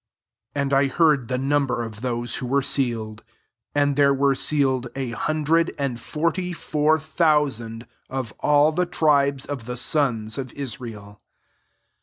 '' 4 And I heard the number )f those who were sealed : and iierr were sealed a hundred and brty^four thousand, of all the fibes of the sons of Israel.